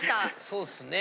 そうっすね